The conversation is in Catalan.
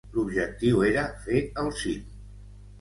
L'objectiu era fer el cim.